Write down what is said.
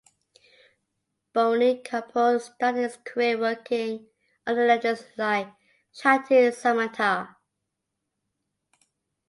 Boney Kapoor started his career working under legends like Shakti Samanta.